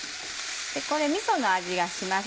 これみその味がします